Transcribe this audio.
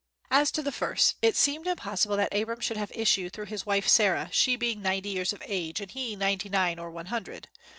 As to the first, it seemed impossible that Abram should have issue through his wife Sarah, she being ninety years of age, and he ninety nine or one hundred.